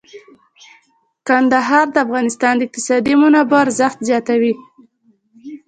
کندهار د افغانستان د اقتصادي منابعو ارزښت زیاتوي.